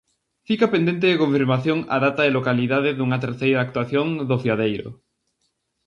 Fica pendente de confirmación a data e localidade dunha terceira actuación d'O Fiadeiro.